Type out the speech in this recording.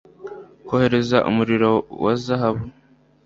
Kohereza umuriro wa zahabu